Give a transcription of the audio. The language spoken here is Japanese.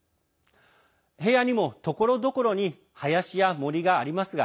平野にも、ところどころに林や森がありますが